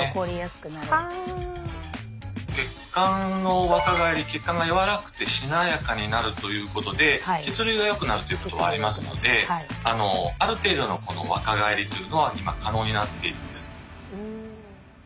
血管の若返り血管が柔らかくてしなやかになるということで血流がよくなるということはありますのである程度の若返りというのは今可能になっているんです。